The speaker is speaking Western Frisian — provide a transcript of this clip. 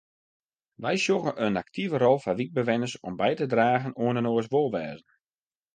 Wy sjogge in aktive rol foar wykbewenners om by te dragen oan inoars wolwêzen.